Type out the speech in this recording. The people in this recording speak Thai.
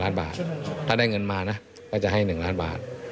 ล้านบาทถ้าได้เงินมานะก็จะให้๑ล้านบาท